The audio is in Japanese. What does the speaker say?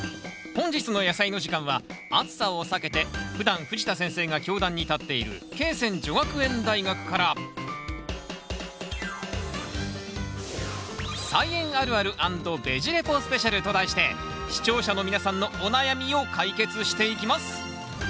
本日の「やさいの時間」は暑さをさけてふだん藤田先生が教壇に立っている恵泉女学園大学からと題して視聴者の皆さんのお悩みを解決していきます！